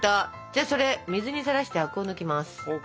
じゃあそれ水にさらしてアクを抜きます。ＯＫ。